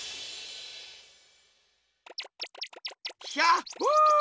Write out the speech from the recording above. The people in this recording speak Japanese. ひゃっほ！